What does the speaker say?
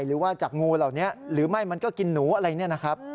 หรือว่าจากงูเหล่านี้หรือไม่มันก็กินหนูอะไรเนี่ยนะครับ